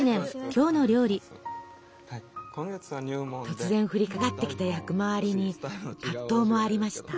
突然降りかかってきた役回りに葛藤もありました。